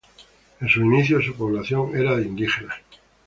En sus inicios, su población era de indígenas.